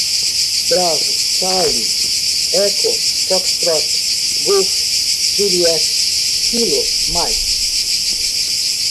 bravo, charlie, echo, foxtrot, golf, juliet, kilo, mike